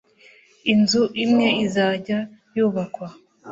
inzu imwe izajya yubakwa